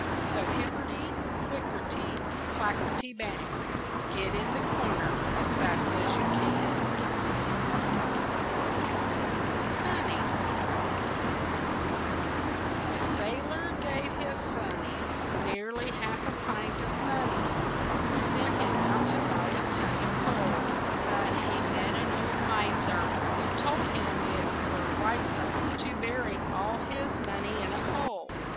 So hipperty, clickerty, clackerty, bang, Get in a corner as fast as you can! SONNY A sailor gave his sonny Nearly half a pint of money And sent him out to buy a ton of coal; But he met a poor old miser Who told him it were wiser To bury all his money in a hole.